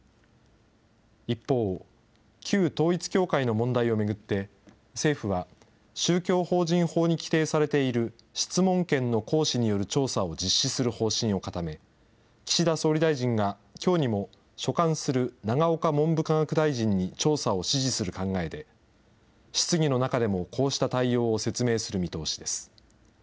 一方、旧統一教会の問題を巡って、政府は、宗教法人法に規定されている質問権の行使による調査を実施する方針を固め、岸田総理大臣がきょうにも所管する永岡文部科学大臣に調査を指示する考えで、質疑の中でもこうした対応を説明する見通しです。